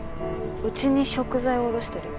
うちに食材を卸してる。